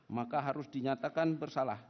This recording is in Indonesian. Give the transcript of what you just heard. maka harus dinyatakan bersalah